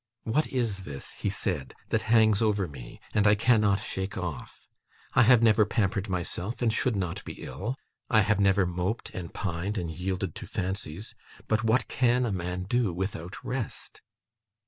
'What is this,' he said, 'that hangs over me, and I cannot shake off? I have never pampered myself, and should not be ill. I have never moped, and pined, and yielded to fancies; but what CAN a man do without rest?